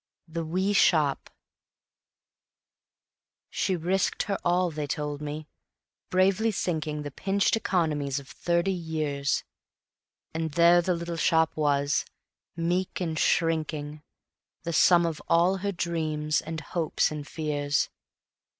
The Wee Shop She risked her all, they told me, bravely sinking The pinched economies of thirty years; And there the little shop was, meek and shrinking, The sum of all her dreams and hopes and fears.